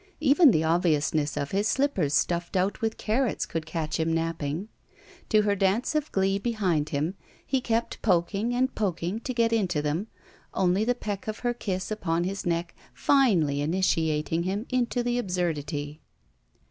Even the obviousness of his slippers stuffed out with carrots could catch him napping. To her dance of glee behind him, he kept poking and poking to get into them, only the peck of her kiss upon his neck finally initiating him into the abstu dity.